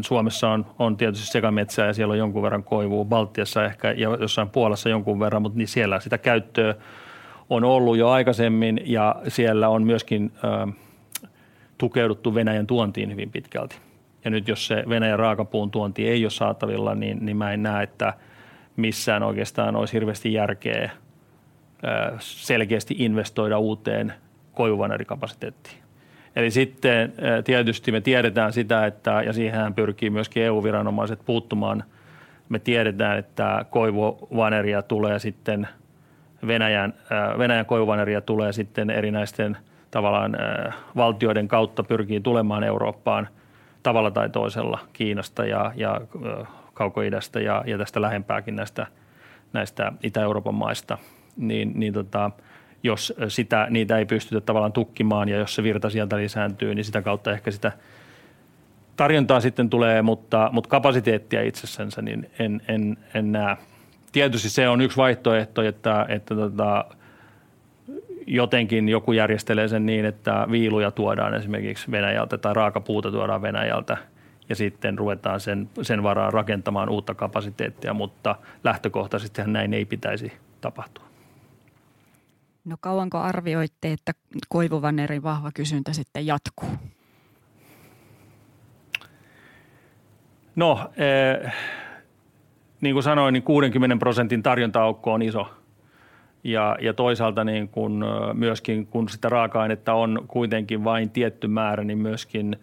Suomessa on tietysti sekametsää ja siellä on jonkun verran koivua. Baltiassa ehkä ja jossain Puolassa jonkun verran, mutta siellä sitä käyttöä on ollut jo aikaisemmin ja siellä on myöskin tukeuduttu Venäjän tuontiin hyvin pitkälti. Ja nyt jos se Venäjän raakapuun tuonti ei ole saatavilla, niin mä en näe, että missään oikeastaan olisi hirveästi järkeä selkeästi investoida uuteen koivuvanerikapasiteettiin. Sitten tietysti me tiedetään sitä, että ja siihenhän pyrkii myöskin EU-viranomaiset puuttumaan. Me tiedetään, että koivuvaneria tulee sitten Venäjän koivuvaneria tulee sitten erinäisten tavallaan valtioiden kautta, pyrkii tulemaan Eurooppaan tavalla tai toisella Kiinasta ja Kaukoidästä ja tästä lähempääkin, näistä Itä-Euroopan maista. Jos sitä niitä ei pystytä tavallaan tukkimaan ja jos se virta sieltä lisääntyy, niin sitä kautta ehkä sitä tarjontaa sitten tulee. Mutta kapasiteettia itsessänsä, niin en näe. Tietysti se on yksi vaihtoehto, että jotenkin joku järjestelee sen niin, että viiluja tuodaan esimerkiksi Venäjältä tai raakapuuta tuodaan Venäjältä ja sitten ruvetaan sen varaan rakentamaan uutta kapasiteettia. Mutta lähtökohtaisestihan näin ei pitäisi tapahtua. No, kauanko arvioitte, että koivuvanerin vahva kysyntä sitten jatkuu? Niin kuin sanoin, 60% tarjonta-aukko on iso ja toisaalta myöskin, kun sitä raaka-ainetta on kuitenkin vain tietty määrä, niin myöskin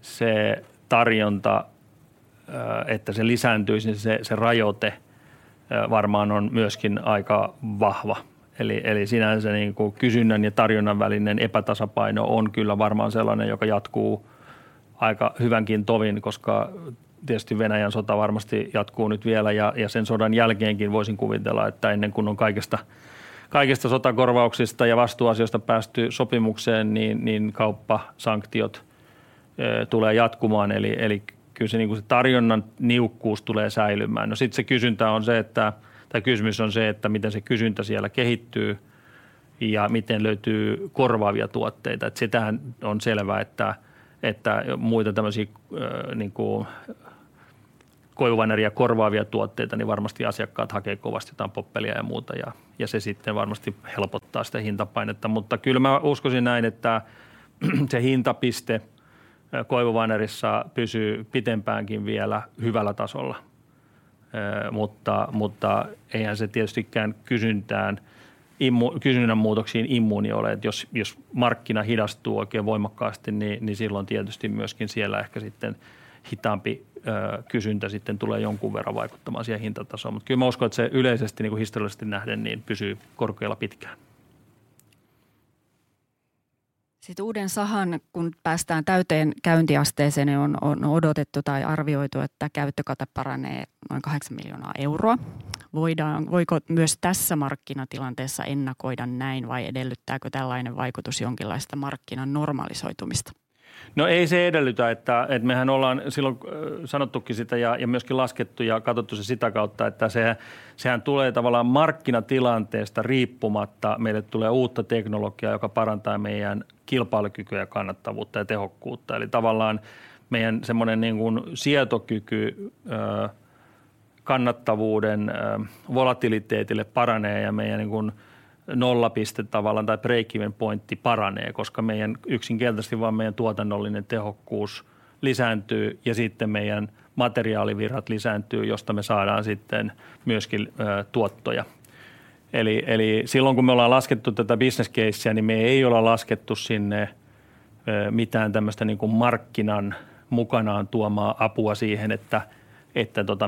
se tarjonta, että se lisääntyisi, niin se rajoite on varmaan myöskin aika vahva. Eli sinänsä kysynnän ja tarjonnan välinen epätasapaino on kyllä varmaan sellainen, joka jatkuu aika hyvänkin tovin, koska tietysti Venäjän sota varmasti jatkuu nyt vielä ja sen sodan jälkeenkin voisin kuvitella, että ennen kuin on kaikesta sotakorvauksista ja vastuuasioista päästy sopimukseen, niin kauppasanktiot tulee jatkumaan. Eli kyllä se tarjonnan niukkuus tulee säilymään. Sitten se kysyntä on se, että tai kysymys on se, että miten se kysyntä siellä kehittyy ja miten löytyy korvaavia tuotteita. Se on selvä, että muita tämmöisiä koivuvaneria korvaavia tuotteita, niin varmasti asiakkaat hakee kovasti jotain poppelia ja muuta, ja se sitten varmasti helpottaa sitä hintapainetta. Mutta kyllä mä uskoisin näin, että se hintapiste koivuvanerissa pysyy pitempäänkin vielä hyvällä tasolla. Mutta eihän se tietystikään kysynnän muutoksiin immuuni ole, että jos markkina hidastuu oikein voimakkaasti, niin silloin tietysti myöskin siellä ehkä sitten hitaampi kysyntä sitten tulee jonkun verran vaikuttamaan siihen hintatasoon. Mutta kyllä mä uskon, että se yleisesti historiallisesti nähden niin pysyy korkealla pitkään. Sitten uuden sahan, kun päästään täyteen käyntiasteeseen, niin on odotettu tai arvioitu, että käyttökate paranee noin €8 miljoonaa. Voidaan, voiko myös tässä markkinatilanteessa ennakoida näin, vai edellyttääkö tällainen vaikutus jonkinlaista markkinan normalisoitumista? Se ei edellytä, että meähän ollaan silloin sanottukin sitä ja myöskin laskettu ja katsottu se sitä kautta, että se tulee tavallaan markkinatilanteesta riippumatta. Meille tulee uutta teknologiaa, joka parantaa meidän kilpailukykyä ja kannattavuutta ja tehokkuutta. Tavallaan meidän semmonen sietokyky kannattavuuden volatiliteetille paranee ja meidän nollapiste tavallaan tai break even pointti paranee, koska meidän yksinkertaisesti vaan meidän tuotannollinen tehokkuus lisääntyy ja sitten meidän materiaalivirrat lisääntyy, josta me saadaan sitten myöskin tuottoja. Kun me ollaan laskettu tätä business casea, niin me ei olla laskettu sinne mitään tämmöistä markkinan mukanaan tuomaa apua siihen, että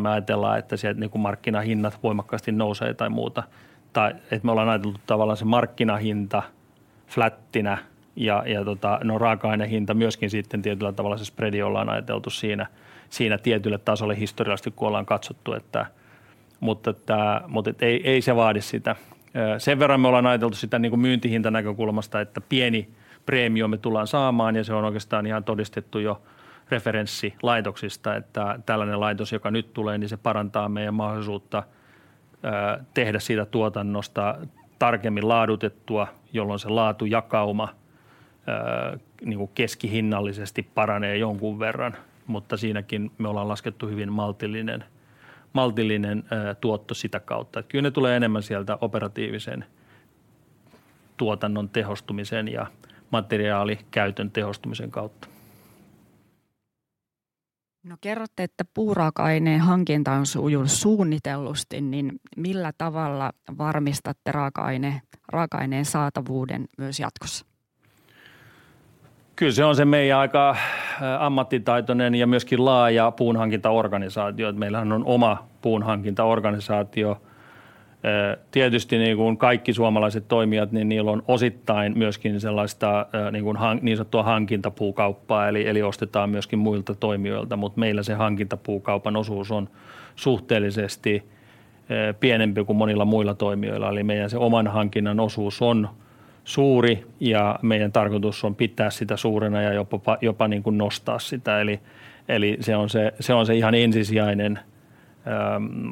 me ajatellaan, että sieltä markkinahinnat voimakkaasti nousee tai muuta. Me ollaan ajateltu tavallaan se markkinahinta flättinä ja raaka-ainehinta myöskin sitten tietyllä tavalla se spredi ollaan ajateltu siinä tietylle tasolle historiallisesti, kun ollaan katsottu, että... Mutta tää, mutta ei, ei se vaadi sitä. Sen verran me ollaan ajateltu sitä niinku myyntihintanäkökulmasta, että pieni preemio me tullaan saamaan ja se on oikeastaan ihan todistettu jo referenssilaitoksista, että tällainen laitos, joka nyt tulee, niin se parantaa meidän mahdollisuutta tehdä siitä tuotannosta tarkemmin laadutettua, jolloin se laatujakauma niinku keskihinnallisesti paranee jonkun verran, mutta siinäkin me ollaan laskettu hyvin maltillinen, maltillinen tuotto sitä kautta. Kyllä ne tulee enemmän sieltä operatiivisen tuotannon tehostumisen ja materiaalikäytön tehostumisen kautta. No, kerrotte, että puuraaka-aineen hankinta on sujunut suunnitellusti, niin millä tavalla varmistatte raaka-aineen saatavuuden myös jatkossa? Se on se meidän aika ammattitaitoinen ja myöskin laaja puunhankintaorganisaatio, että meillähän on oma puunhankintaorganisaatio. Tietysti niin kuin kaikki suomalaiset toimijat, niin niillä on osittain myöskin sellaista niin sanottua hankintapuukauppaa, eli ostetaan myöskin muilta toimijoilta, mutta meillä se hankintapuukaupan osuus on suhteellisesti pienempi kuin monilla muilla toimijoilla. Eli meidän se oman hankinnan osuus on suuri, ja meidän tarkoitus on pitää sitä suurena ja jopa nostaa sitä. Se on se ihan ensisijainen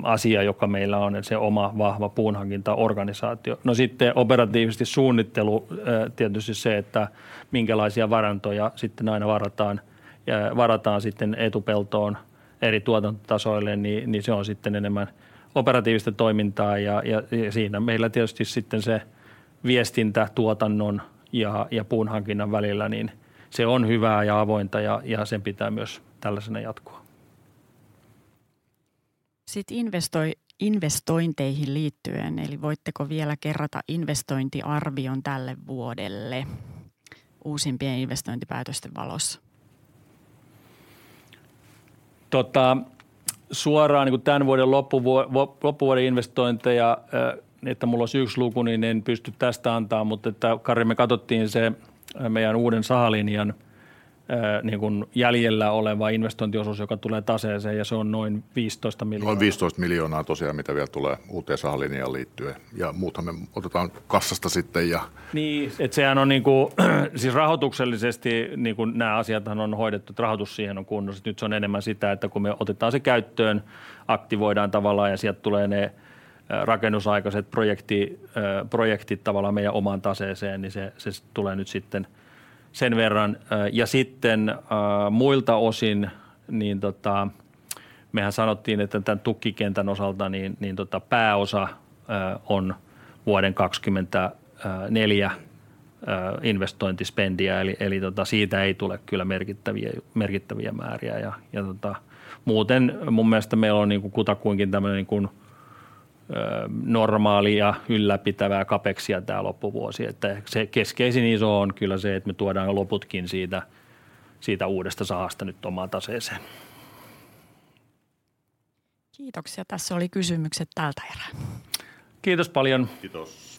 asia, joka meillä on, että se oma vahva puunhankintaorganisaatio. Sitten operatiivisesti suunnittelu. Tietysti se, että minkälaisia varantoja sitten aina varataan ja varataan sitten etupeltoon eri tuotantotasoille, niin se on sitten enemmän operatiivista toimintaa, ja siinä meillä tietysti sitten se viestintä tuotannon ja puunhankinnan välillä, niin se on hyvää ja avointa ja sen pitää myös tällaisena jatkua. Sit investointeihin liittyen, eli voitteko vielä kerrata investointiarvion tälle vuodelle uusimpien investointipäätösten valossa? Suoraan tän vuoden loppuvuoden investointeja, että mulla ois yks luku, niin en pysty tästä antaa. Mutta Kari, me katottiin se meidän uuden sahalinjan jäljellä oleva investointiosuus, joka tulee taseeseen, ja se on noin viistoista miljoonaa. Noin viistoista miljoonaa tosiaan, mitä vielä tulee uuteen sahalinjaan liittyen, ja muuthan me otetaan kassasta sitten. Niin, et sehän on niinku siis rahotuksellisesti, nää asiathan on hoidettu, et rahotus siihen on kunnossa. Nyt se on enemmän sitä, että kun me otetaan se käyttöön, aktivoidaan tavallaan, ja sielt tulee ne rakennusaikaset projektit tavallaan meidän omaan taseeseen, niin se tulee nyt sitten sen verran. Ja sitten muilta osin, niin mehän sanottiin, että tän tukkikentän osalta, niin pääosa on vuoden 2024 investointispendiä, eli siitä ei tule kyllä merkittäviä määriä. Jaa, mun mielestä meillä on niinku kutakuinkin tämmönen kun normaali ja ylläpitävää capexia tää loppuvuosi. Että se keskeisin iso on kyllä se, että me tuodaan loputkin siitä uudesta sahasta nyt omaan taseeseen. Kiitoksia! Tässä oli kysymykset tältä erää. Kiitos paljon. Kiitos.